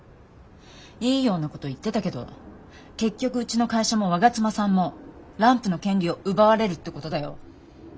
いいようなこと言ってたけど結局うちの会社も我妻さんもランプの権利を奪われるってことだよ？